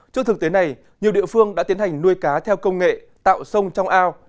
trước thực tế này nhiều địa phương đã tiến hành nuôi cá theo công nghệ tạo sông trong ao